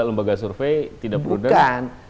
lembaga survei tidak berudah bukan